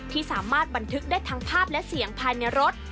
ที่สามารถบันทึกได้ทั้งภาพและเสียงภายในรถ